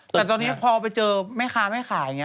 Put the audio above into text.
แต่ตอนนี้พอไปเจอไม่ค้าไม่ขาย